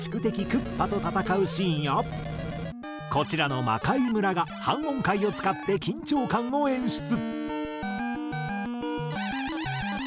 クッパと戦うシーンやこちらの『魔界村』が半音階を使って緊張感を演出。